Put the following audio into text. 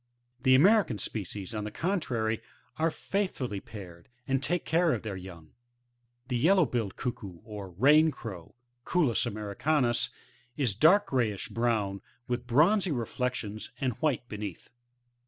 The American species, on the contrary, are faithfully paired, and take care of their young. The VeUoW'billed Cuckoo, or Rain Crow^ ^Cuculus americanns^ — ^is dark grayish brown, with bronzy reflections, and white beneath.